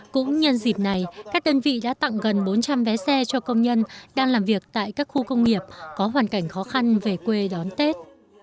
cũng nhân dịp này các đơn vị đã tặng gần bốn trăm linh vé xe cho công nhân đang làm việc tại các khu công nghiệp có hoàn cảnh khó khăn về quê đón tết